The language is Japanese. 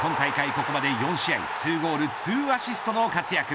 ここまで４試合２ゴール２アシストの活躍。